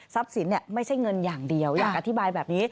สินไม่ใช่เงินอย่างเดียวอยากอธิบายแบบนี้